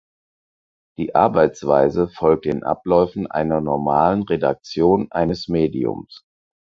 Die Arbeitsweise folgt den Abläufen einer normalen Redaktion eines Mediums.